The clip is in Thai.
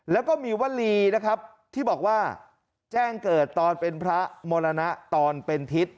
แล้วก็มีวลีนะครับที่บอกว่าแจ้งเกิดตอนเป็นพระมรณะตอนเป็นทิศ